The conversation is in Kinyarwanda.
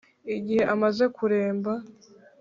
Igihe amaze kuremba,